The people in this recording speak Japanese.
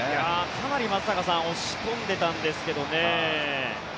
かなり松坂さん押し込んでいたんですけどね。